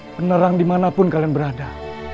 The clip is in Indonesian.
menerang dimanapun kalian berada